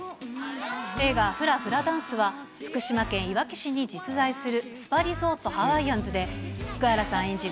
映画、フラ・フラダンスは福島県いわき市に実在するスパリゾートハワイアンズで福原さん演じる